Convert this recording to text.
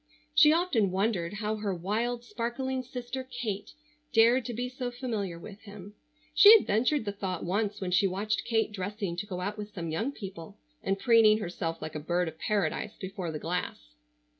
She often wondered how her wild, sparkling sister Kate dared to be so familiar with him. She had ventured the thought once when she watched Kate dressing to go out with some young people and preening herself like a bird of Paradise before the glass.